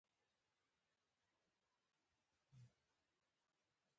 افغانستان د اوړي د ترویج لپاره پروګرامونه لري.